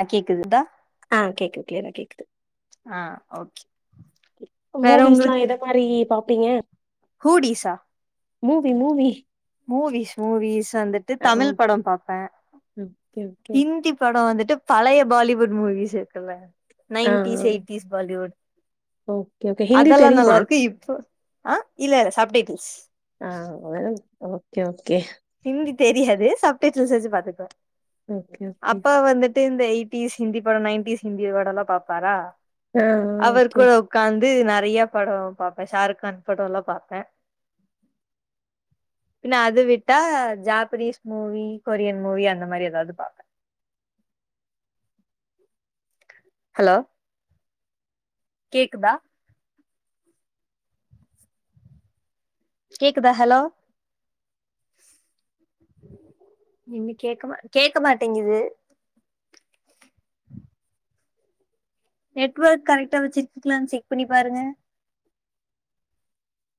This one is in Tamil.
ஆ கேக்குதுதா ஆ கேக்குது ஆஹ் ஓகே மூவிஸ் எல்லாம் இத மாதிரி பாப்பீங்க ஹூடிஸ்ச மூவி மூவி மூவிஸ் மூவிஸ் வந்துட்டு ஆ தமிழ் படம் பாப்பேன் ஓகே ஓகே. ஹிந்தி படம் வந்துட்டு ட்டு பழைய பாலிவுட் மூவிஸ் இருக்குல ஆ nineties eighties Bollywood okay okay. Hindi அதெல்லாம் நல்லா தெரியுமா? இருக்கு இப்போ ஆஹ் இல்ல இ சாப்ப ட்டல்ஸ் ஆ அ ஓகே ஓகே ஓ கே தெரியாது சாப் டைட்டீல் வச்சி பாத்துக்கோ ஓகே ஓகே எயிட்டிஸ் ஹிந்தி படம் நைன்டிஸ் ஹிந்தி படம்லாம் பாப்பாரா ஆ அவர் ஓகே. கூட உ ட்காந் நறைய படம் பார்பே ஷாருகான் படம்லாம் பாார்பே பின்ன அது விட் ட்டா ஜாப்பனீஸ் மூவி கொரியன் மூவி அந்த மாதிரி எதாவது பாப்பே ஹலோ கேக்குதா கேக்குதா ஹலோ நீ கே கேட்க மாட்டேங்குது நெட்வொர்க் கரெக்ட்டா வச்சிருக்கீங்களானு செக் பண்ணி பாருங்க